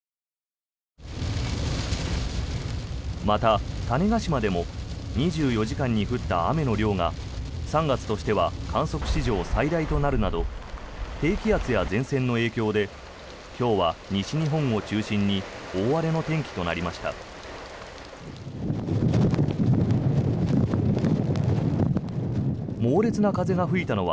また、種子島でも２４時間に降った雨の量が３月としては観測史上最大となるなど低気圧や前線の影響で今日は西日本を中心に大荒れの天気となりました。